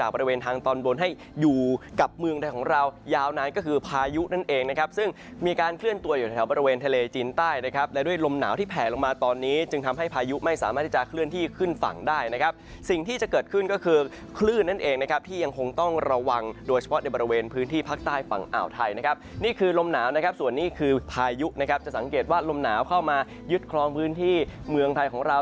ภายุนั่นเองนะครับซึ่งมีการเคลื่อนตัวอยู่ในแถวบริเวณทะเลจีนใต้นะครับและด้วยลมหนาวที่แผลลงมาตอนนี้จึงทำให้ภายุไม่สามารถที่จะเคลื่อนที่ขึ้นฝั่งได้นะครับสิ่งที่จะเกิดขึ้นก็คือคลื่นนั่นเองนะครับที่ยังคงต้องระวังโดยเฉพาะในบริเวณพื้นที่พักใต้ฝั่งอ่าวไทยนะครับนี่คือลมหนาวนะครั